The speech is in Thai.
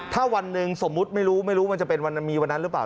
ถ้าวันหนึ่งสมมุติไม่รู้ไม่รู้มันจะเป็นวันมีวันนั้นหรือเปล่า